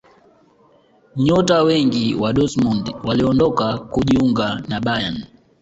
nyota wengi wa dortmund waliondoka kujiunga na bayern